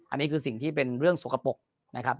อันนี้คือสิ่งที่เป็นเรื่องสกปรกนะครับ